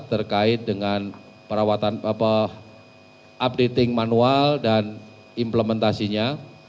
terkait dengan perawatan updating manual dan implementasinya